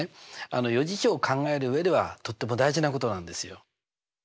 余事象を考える上ではとっても大事なことなんですよ。